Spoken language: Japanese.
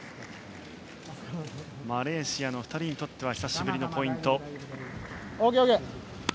マレーシアの２人にとっては久しぶりのポイント。